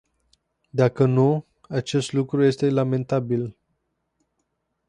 Dacă nu, acest lucru este lamentabil.